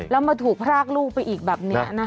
แล้วมาถูกพรากลูกไปอีกแบบนี้นะคะ